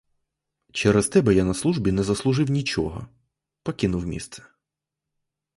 Через тебе я на службі не заслужив нічого, покинув місце.